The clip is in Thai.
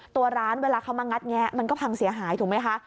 ตัวร้านเวลาเขามางัดแงะมันก็พังเสียหายถูกไหมคะ